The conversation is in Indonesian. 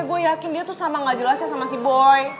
gue yakin dia tuh sama ga jelasnya sama si boy